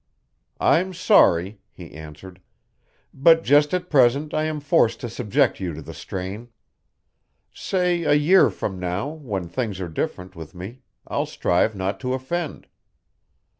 "I'm sorry," he answered, "but just at present I am forced to subject you to the strain. Say a year from now, when things are different with me, I'll strive not to offend."